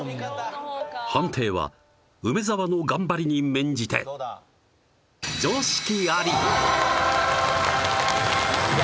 判定は梅沢の頑張りに免じていや